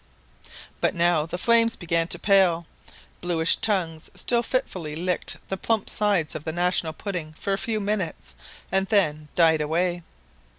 But now the flames began to pale; bluish tongues still fitfully licked the plump sides of the national pudding for a few minutes, and then died away.